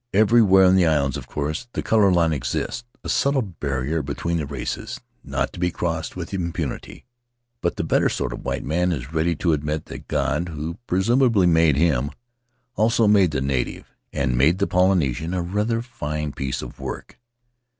Everywhere in the islands, of course, the color line exists — a subtle barrier between the races, not to be crossed with impunity; but the better sort of white man is ready to admit that God, who presumably made him, also made the native, and made of the Polynesian a rather fine piece of work.